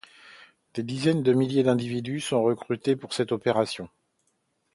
Des dizaines de milliers d’individus sont recrutés pour cette opération.